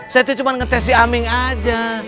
saya tuh cuma ngetes si aming aja